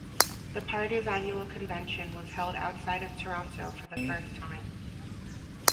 The party's annual convention was held outside of Toronto for the first time.